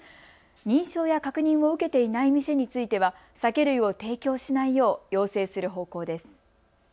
認証や確認を受けていない店については酒類を提供しないよう要請する方向です。